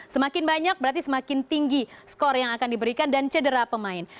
semakin banyak berarti semakin tinggi skor yang akan diberikan dan cedera pemain